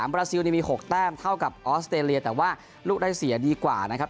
บราซิลมี๖แต้มเท่ากับออสเตรเลียแต่ว่าลูกได้เสียดีกว่านะครับ